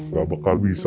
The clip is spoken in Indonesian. tidak bakal bisa